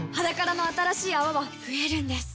「ｈａｄａｋａｒａ」の新しい泡は増えるんです